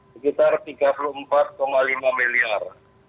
sekitar tiga puluh empat lima miliar